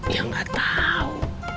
ya enggak tahu